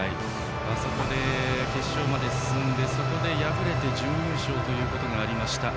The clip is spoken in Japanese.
あそこで決勝まで進んで敗れて準優勝ということがありました。